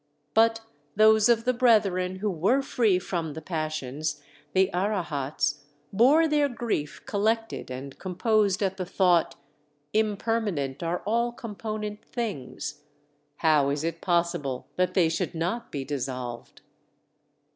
But those of the brethren who were free from the passions (the Arahats) bore their grief collected and composed at the thought: "Impermanent are all component things! How is it possible that they should not be dissolved?"